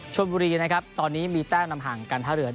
ชลบุรีตอนนี้มีแป้มนำห่างกันทะเลือด